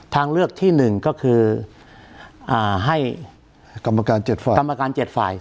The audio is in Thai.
ทางเลือกที่หนึ่งก็คือให้กรรมการ๗ฝ่าย